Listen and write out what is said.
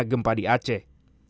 pertama penjualan tiket di aceh